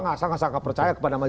oh sangat sangat percaya kepada majelis